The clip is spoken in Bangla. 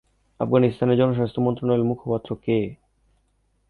আফগানিস্তানের জনস্বাস্থ্য মন্ত্রণালয়ের মুখপাত্র কে?